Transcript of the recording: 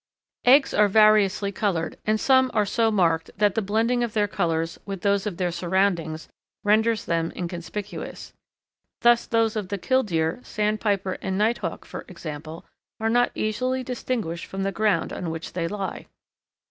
Eggs are variously coloured, and some are so marked that the blending of their colours with those of their surroundings renders them inconspicuous. Thus those of the Killdeer, Sandpiper, and Nighthawk, for example, are not easily distinguished from the ground on which they lie.